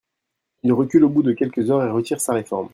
Il recule au bout de quelques heures et retire sa réforme.